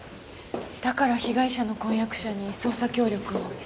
だから被害者の婚約者に捜査協力を。